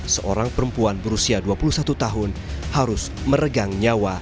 seorang perempuan berusia dua puluh satu tahun harus meregang nyawa